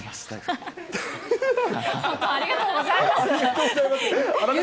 ありがとうございます。